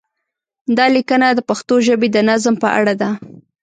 دا لیکنه د پښتو ژبې د نظم په اړه ده.